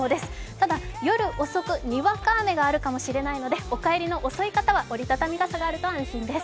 ただ夜遅く、にわか雨があるかもしれないのでお帰りの遅い方は折り畳み傘があると安心です。